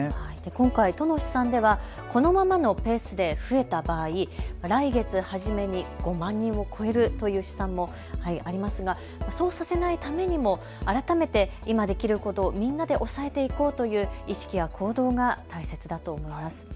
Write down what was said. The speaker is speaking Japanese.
今回、都の試算ではこのままのペースで増えた場合、来月初めに５万人を超えるという試算もありますが、そうさせないためにも改めて今できることをみんなでおさえていこうという意識や行動が大切だと思います。